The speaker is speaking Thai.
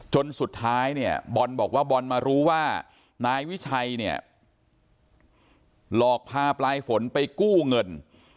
จนสุดท้ายเนี่ยบอลบอกว่าบอลมารู้ว่านายวิชัยเนี่ยหลอกพาปลายฝนไปกู้เงิน